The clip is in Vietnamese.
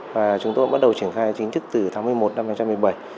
và chúng tôi bắt đầu triển khai chính thức từ tháng một mươi một năm hai nghìn một mươi bảy